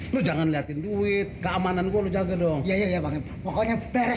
lu jangan lihatin duit keamanan gue lo jangan dong ya ya pokoknya beres